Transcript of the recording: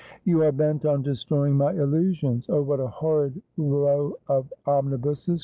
' You are bent on destroying my illusions. Oh, what a horrid row of omnibuses